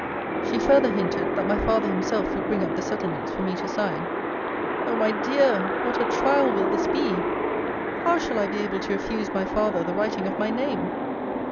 She further hinted, that my father himself would bring up the settlements for me to sign. O my dear! what a trial will this be! How shall I be able to refuse my father the writing of my name?